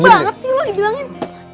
banget sih lo dibilangin